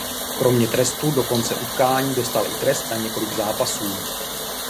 Kromě trestu do konce utkání dostal i trest na několik zápasů.